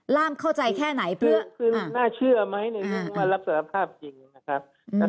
ล่ามเข้าใจแค่ไหนเพื่อคือน่าเชื่อไหมในมุมมารับสารภาพจริงนะครับ